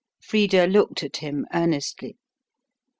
Frida looked at him earnestly.